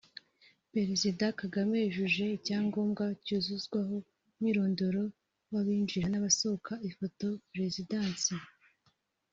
Perezida Kagame yujuje icyangombwa cyuzuzwaho umwirondoro w’abinjira n’abasohoka (Ifoto/Perezidansi)